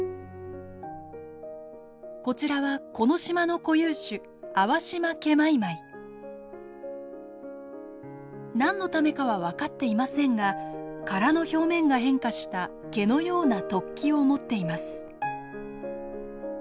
こちらはこの島の固有種何のためかは分かっていませんが殻の表面が変化した毛のような突起を持っています。